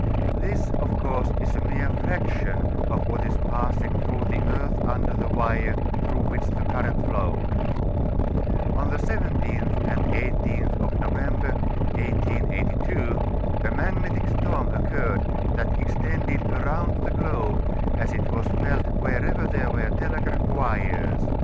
This of course is a mere fraction of what is passing through the earth under the wire through which the current flowed. On the 17th and 18th of November, 1882, a magnetic storm occurred that extended around the globe, as it was felt wherever there were telegraph wires.